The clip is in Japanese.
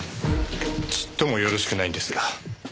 ちっともよろしくないんですが。